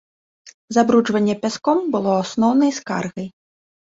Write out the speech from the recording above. Забруджванне пяском было асноўнай скаргай.